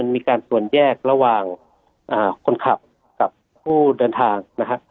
มีการตรวจแยกระหว่างคนขับกับผู้เดินทางนะครับ